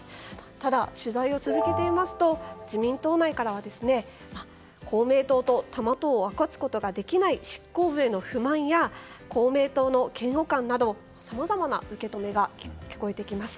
ただ、取材を続けていますと自民党内からは公明党と、たもとを分かつことができない執行部への不満や公明党の嫌悪感などさまざまな受け止めが聞こえてきます。